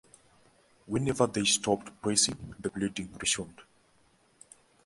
Whenever they stopped pressing, the bleeding resumed.